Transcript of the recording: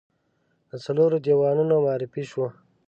د څلورو دیوانونو معرفي شوه.